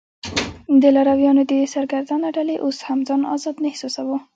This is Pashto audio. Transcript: د لارویانو دې سرګردانه ډلې اوس هم ځان آزاد نه احساساوه.